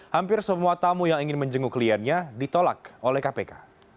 hampir semua tamu yang ingin menjenguk kliennya ditolak oleh kpk